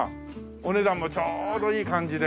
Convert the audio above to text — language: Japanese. お値段もちょうどいい感じで。